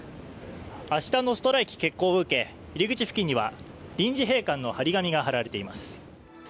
明日のストライキ決行を受け、入り口付近には臨時閉館の張り紙が貼られています。